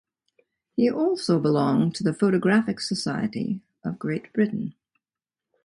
He also belonged to the Photographic Society of Great Britain.